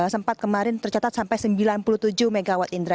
sempat kemarin tercatat sampai sembilan puluh tujuh megawatt indera